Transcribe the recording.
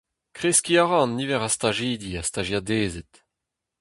Kreskiñ a ra an niver a stajidi ha stajiadezed.